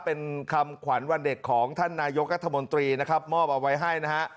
เป็นคำขวัญวันเด็กของท่านนายกรัฐมนตรีนะครับมอบเอาไว้ให้นะฮะ